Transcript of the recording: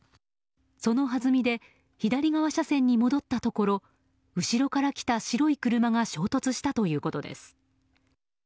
そのはずみで左側車線に戻ったところ後ろから来た白い車が衝突したということです。